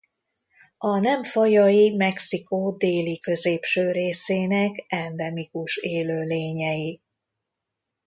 A nem fajai Mexikó déli-középső részének endemikus élőlényei.